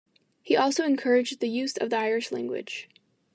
He also encouraged the use of the Irish language.